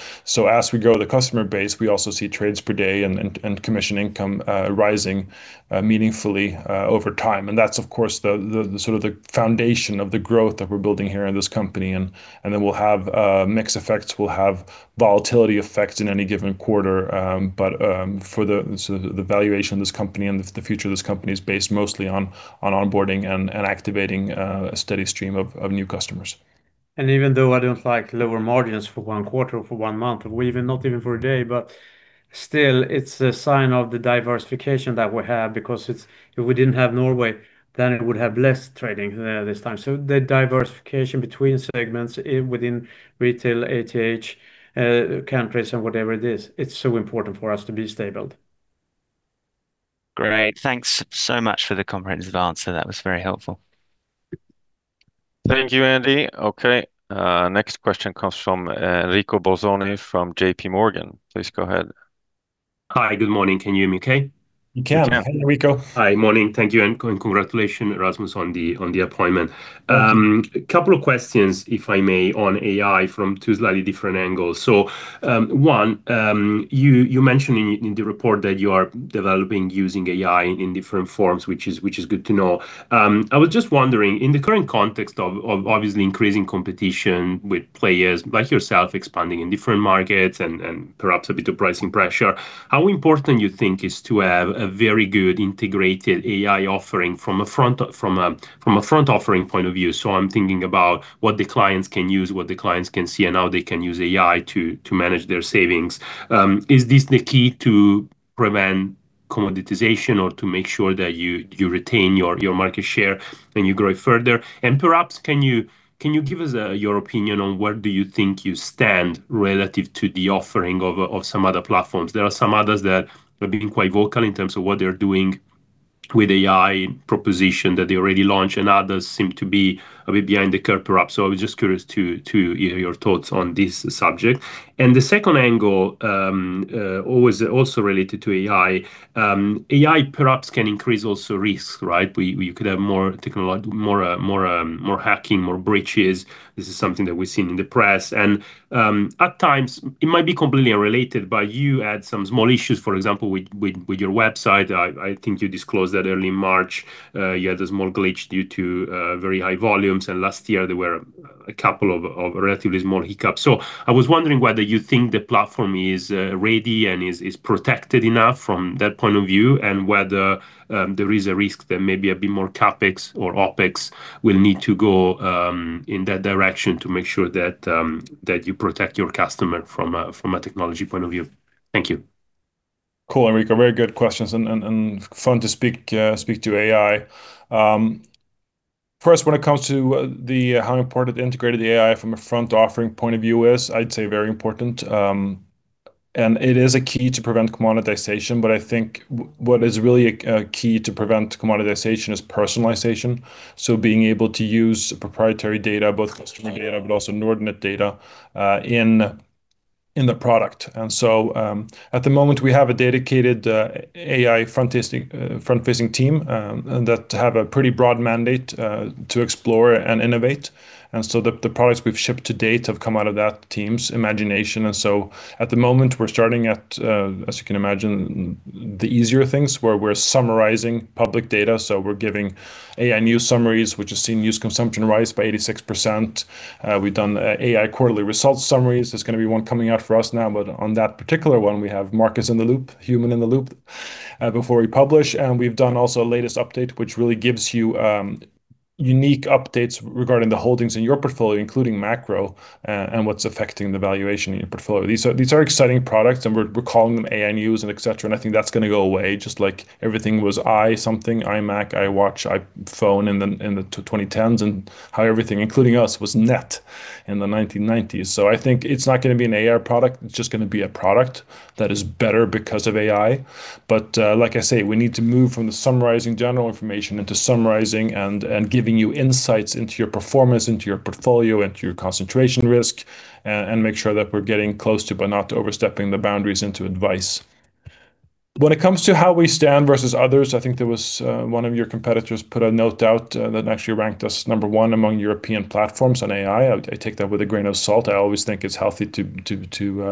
As we grow the customer base, we also see trades per day and commission income rising meaningfully over time. That's, of course, the foundation of the growth that we're building here in this company, and then we'll have mix effects, we'll have volatility effects in any given quarter. For the valuation of this company and the future of this company is based mostly on onboarding and activating a steady stream of new customers. Even though I don't like lower margins for one quarter or for one month, not even for a day, but still, it's a sign of the diversification that we have, because if we didn't have Norway, then it would have less trading there this time. The diversification between segments within retail, ATH, countries, and whatever it is, it's so important for us to be stable. Great. Thanks so much for the comprehensive answer. That was very helpful. Thank you, Andy. Okay. Next question comes from Enrico Bolzoni from JPMorgan. Please go ahead. Hi. Good morning. Can you hear me okay? You can. Hi, Enrico. Hi. Morning. Thank you, and congratulations, Rasmus, on the appointment. Thank you. A couple of questions, if I may, on AI from two slightly different angles. One, you mentioned in the report that you are developing using AI in different forms, which is good to know. I was just wondering, in the current context of obviously increasing competition with players like yourself expanding in different markets and perhaps a bit of pricing pressure, how important you think is to have a very good integrated AI offering from a front offering point of view? I'm thinking about what the clients can use, what the clients can see, and how they can use AI to manage their savings. Is this the key to prevent commoditization or to make sure that you retain your market share and you grow further? Perhaps, can you give us your opinion on where do you think you stand relative to the offering of some other platforms? There are some others that have been quite vocal in terms of what they're doing with AI proposition that they already launched, and others seem to be a bit behind the curve, perhaps. I was just curious to your thoughts on this subject. The second angle, always also related to AI. AI perhaps can increase also risk, right? You could have more hacking, more breaches. This is something that we've seen in the press. At times, it might be completely unrelated, but you had some small issues, for example, with your website. I think you disclosed that in early March. You had a small glitch due to very high volumes, and last year there were a couple of relatively small hiccups. I was wondering whether you think the platform is ready and is protected enough from that point of view, and whether there is a risk that maybe a bit more CapEx or OpEx will need to go in that direction to make sure that you protect your customer from a technology point of view. Thank you. Cool, Enrico. Very good questions, and fun to speak to AI. First, when it comes to how important integrated AI from a front offering point of view is, I'd say very important. It is a key to prevent commoditization, but I think what is really a key to prevent commoditization is personalization. Being able to use proprietary data, both customer data, but also Nordnet data, in the product. At the moment, we have a dedicated AI front-facing team that have a pretty broad mandate to explore and innovate. The products we've shipped to date have come out of that team's imagination. At the moment, we're starting at, as you can imagine, the easier things where we're summarizing public data, so we're giving AI news summaries, which has seen news consumption rise by 86%. We've done AI quarterly results summaries. There's going to be one coming out for us now, but on that particular one, we have Marcus in the loop, human in the loop, before we publish. We've done also a latest update, which really gives you unique updates regarding the holdings in your portfolio, including macro, and what's affecting the valuation in your portfolio. These are exciting products, and we're calling them ANUs and et cetera, and I think that's going to go away, just like everything was i something, iMac, Apple Watch, iPhone in the 2010s, and how everything, including us, was net in the 1990s. I think it's not going to be an AR product. It's just going to be a product that is better because of AI. Like I say, we need to move from the summarizing general information into summarizing and giving you insights into your performance, into your portfolio, into your concentration risk, and make sure that we're getting close to, but not overstepping the boundaries into advice. When it comes to how we stand versus others, I think one of your competitors put a note out that actually ranked us number one among European platforms on AI. I take that with a grain of salt. I always think it's healthy to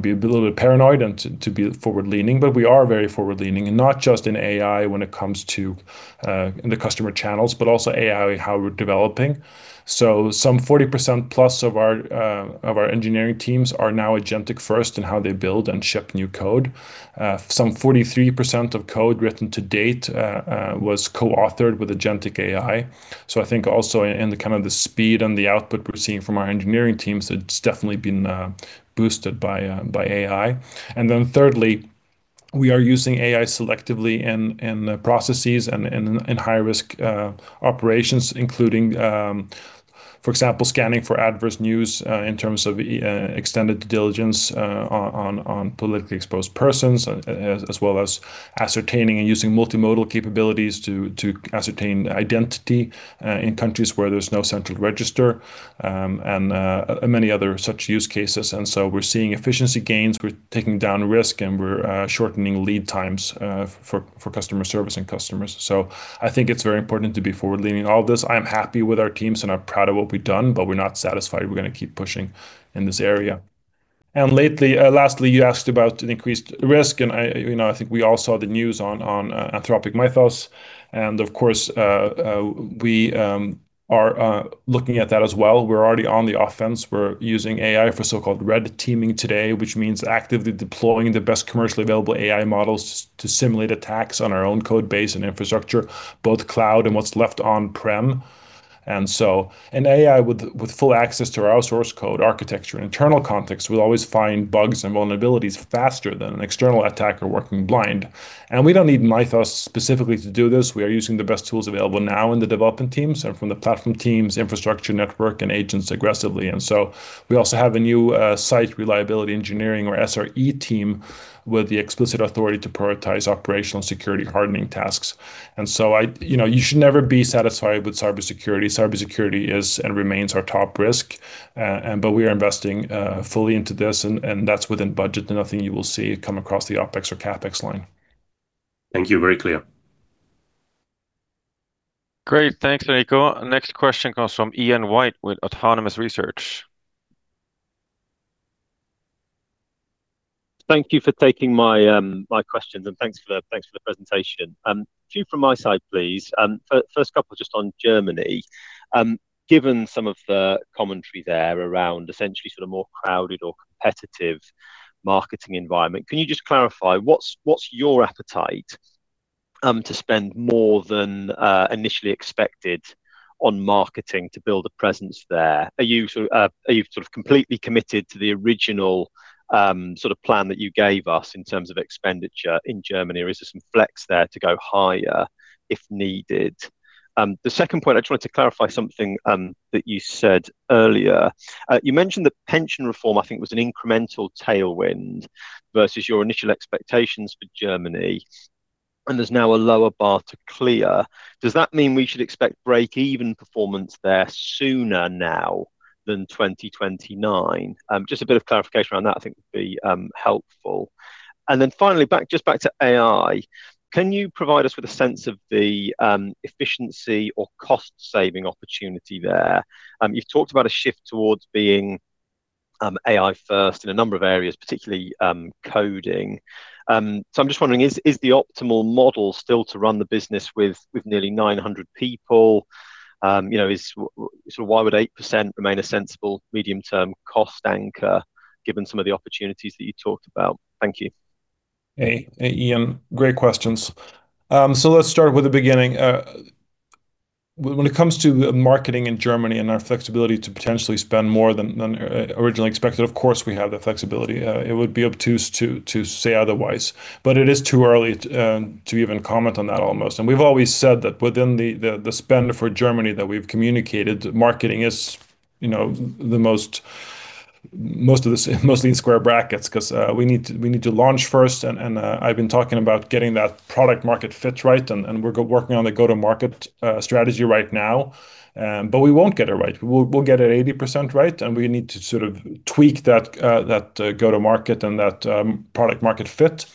be a little bit paranoid and to be forward-leaning. We are very forward-leaning, and not just in AI when it comes to the customer channels, but also AI, how we're developing. Some 40% + of our engineering teams are now agentic first in how they build and ship new code. Some 43% of code written to date was co-authored with agentic AI. I think also in the kind of the speed and the output we're seeing from our engineering teams, it's definitely been boosted by AI. Thirdly, we are using AI selectively in processes and in high-risk operations, including, for example, scanning for adverse news in terms of extended diligence on politically exposed persons, as well as ascertaining and using multimodal capabilities to ascertain identity in countries where there's no central register, and many other such use cases. We're seeing efficiency gains, we're taking down risk, and we're shortening lead times for customer service and customers. I think it's very important to be forward-leaning. All this, I am happy with our teams and are proud of what we've done, but we're not satisfied. We're going to keep pushing in this area. Lastly, you asked about an increased risk, and I think we all saw the news on Anthropic Mythos, and of course, we are looking at that as well. We're already on the offense. We're using AI for so-called red teaming today, which means actively deploying the best commercially available AI models to simulate attacks on our own code base and infrastructure, both cloud and what's left on-prem. An AI with full access to our source code architecture and internal context will always find bugs and vulnerabilities faster than an external attacker working blind. We don't need Mythos specifically to do this. We are using the best tools available now in the development teams and from the platform teams, infrastructure network, and agents aggressively. We also have a new site reliability engineering, or SRE team, with the explicit authority to prioritize operational security hardening tasks. You should never be satisfied with cybersecurity. Cybersecurity is and remains our top risk. We are investing fully into this, and that's within budget, and nothing you will see come across the OpEx or CapEx line. Thank you. Very clear. Great. Thanks, Enrico. Next question comes from Ian White with Autonomous Research. Thank you for taking my questions and thanks for the presentation. A few from my side, please. First couple just on Germany. Given some of the commentary there around essentially sort of more crowded or competitive marketing environment, can you just clarify what's your appetite to spend more than initially expected on marketing to build a presence there? Are you sort of completely committed to the original plan that you gave us in terms of expenditure in Germany, or is there some flex there to go higher if needed? The second point, I just wanted to clarify something that you said earlier. You mentioned the pension reform, I think, was an incremental tailwind versus your initial expectations for Germany, and there's now a lower bar to clear. Does that mean we should expect break-even performance there sooner now than 2029? Just a bit of clarification around that I think would be helpful. Finally, just back to AI, can you provide us with a sense of the efficiency or cost-saving opportunity there? You've talked about a shift towards being AI first in a number of areas, particularly coding. I'm just wondering, is the optimal model still to run the business with nearly 900 people? Why would 8% remain a sensible medium-term cost anchor given some of the opportunities that you talked about? Thank you. Hey, Ian. Great questions. Let's start with the beginning. When it comes to marketing in Germany and our flexibility to potentially spend more than originally expected, of course, we have the flexibility. It would be obtuse to say otherwise. It is too early to even comment on that almost. We've always said that within the spend for Germany that we've communicated, marketing is mostly in square brackets because we need to launch first, and I've been talking about getting that product market fit right, and we're working on the go-to-market strategy right now. We won't get it right. We'll get it 80% right, and we need to sort of tweak that go-to-market and that product market fit.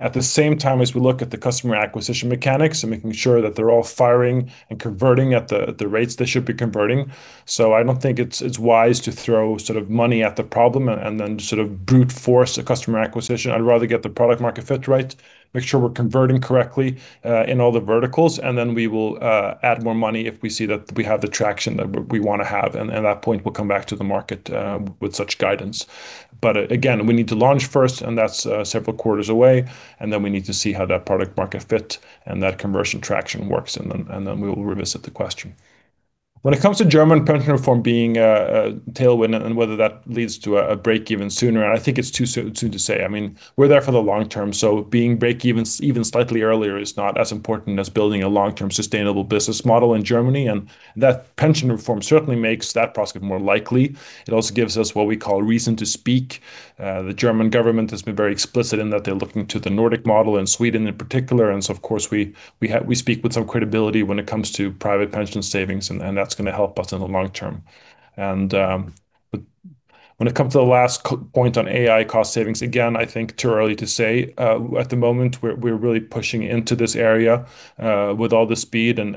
At the same time as we look at the customer acquisition mechanics and making sure that they're all firing and converting at the rates they should be converting. I don't think it's wise to throw money at the problem and then brute force a customer acquisition. I'd rather get the product market fit right, make sure we're converting correctly in all the verticals, and then we will add more money if we see that we have the traction that we want to have, and at that point, we'll come back to the market with such guidance. But again, we need to launch first, and that's several quarters away, and then we need to see how that product market fit and that conversion traction works, and then we will revisit the question. When it comes to German pension reform being a tailwind and whether that leads to a break even sooner, I think it's too soon to say. We're there for the long term, so being break even slightly earlier is not as important as building a long-term sustainable business model in Germany. That pension reform certainly makes that prospect more likely. It also gives us what we call reason to speak. The German government has been very explicit in that they're looking to the Nordic model in Sweden in particular, and so of course we speak with some credibility when it comes to private pension savings, and that's going to help us in the long term. When it comes to the last point on AI cost savings, again, I think it's too early to say. At the moment, we're really pushing into this area with all the speed and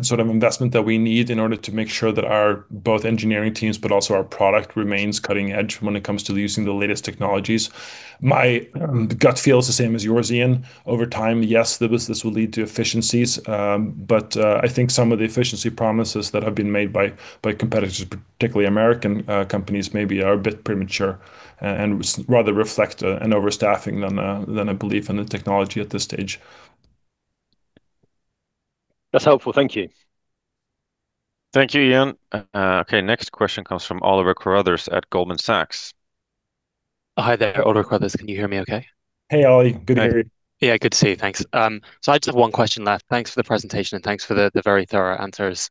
sort of investment that we need in order to make sure that our both engineering teams, but also our product remains cutting edge when it comes to using the latest technologies. My gut feel is the same as yours, Ian. Over time, yes, this will lead to efficiencies, but I think some of the efficiency promises that have been made by competitors, particularly American companies, maybe are a bit premature and rather reflect an overstaffing than a belief in the technology at this stage. That's helpful. Thank you. Thank you, Ian. Okay, next question comes from Oliver Carruthers at Goldman Sachs. Hi there. Oliver Carruthers. Can you hear me okay? Hey, Ollie. Good to hear you. Yeah, good to see you. Thanks. I just have one question left. Thanks for the presentation and thanks for the very thorough answers,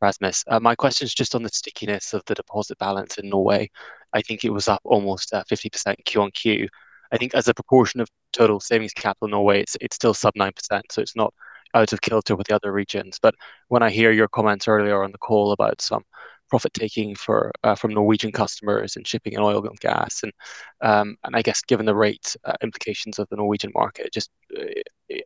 Rasmus. My question is just on the stickiness of the deposit balance in Norway. I think it was up almost 50% Q-on-Q. I think as a proportion of total savings capital in Norway, it's still sub 9%, so it's not out of kilter with the other regions. When I hear your comments earlier on the call about some profit-taking from Norwegian customers and shipping and oil and gas, and I guess given the rate implications of the Norwegian market, just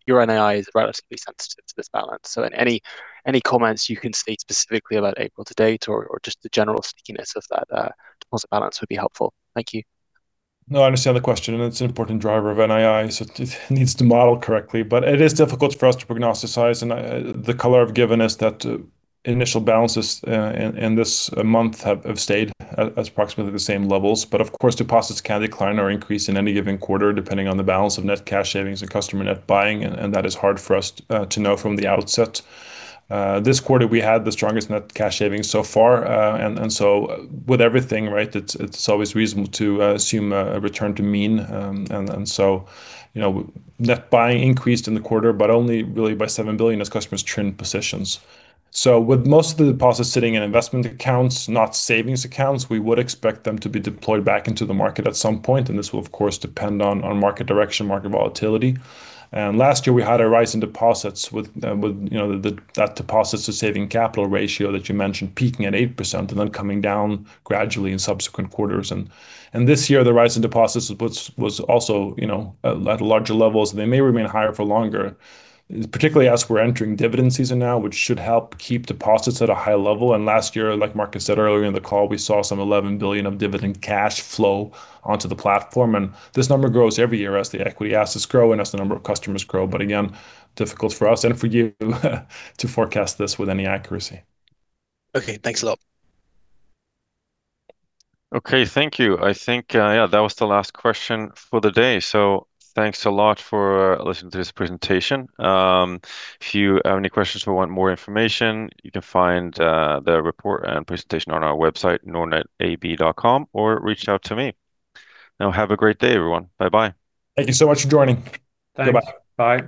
your NII is relatively sensitive to this balance. Any comments you can state specifically about April to date or just the general stickiness of that deposit balance would be helpful. Thank you. No, I understand the question, and it's an important driver of NII, so it needs to model correctly. It is difficult for us to prognosticate, and the color I've given is that initial balances in this month have stayed at approximately the same levels. Of course, deposits can decline or increase in any given quarter, depending on the balance of net cash savings and customer net buying, and that is hard for us to know from the outset. This quarter, we had the strongest net cash savings so far. With everything, it's always reasonable to assume a return to mean and so net buying increased in the quarter, but only really by 7 billion as customers trimmed positions. With most of the deposits sitting in investment accounts, not savings accounts, we would expect them to be deployed back into the market at some point, and this will, of course, depend on market direction, market volatility. Last year, we had a rise in deposits with that deposits to savings capital ratio that you mentioned peaking at 8% and then coming down gradually in subsequent quarters. This year, the rise in deposits was also at larger levels, and they may remain higher for longer, particularly as we're entering dividend season now, which should help keep deposits at a high level. Last year, like Marcus said earlier in the call, we saw some 11 billion of dividend cash flow onto the platform, and this number grows every year as the equity assets grow and as the number of customers grow. Again, difficult for us and for you to forecast this with any accuracy. Okay, thanks a lot. Okay, thank you. I think, yeah, that was the last question for the day. Thanks a lot for listening to this presentation. If you have any questions or want more information, you can find the report and presentation on our website, nordnetab.com, or reach out to me. Now have a great day, everyone. Bye-bye. Thank you so much for joining. Thanks. Bye